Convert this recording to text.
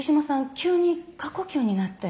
急に過呼吸になって。